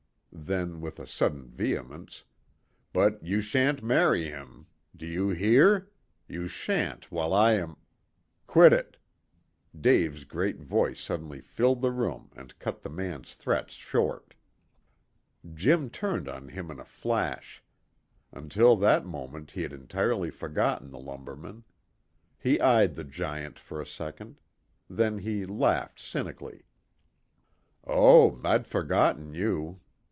Then with a sudden vehemence. "But you shan't marry him. Do you hear? You shan't while I am " "Quit it!" Dave's great voice suddenly filled the room and cut the man's threats short. Jim turned on him in a flash; until that moment he had entirely forgotten the lumberman. He eyed the giant for a second. Then he laughed cynically. "Oh, I'd forgotten you.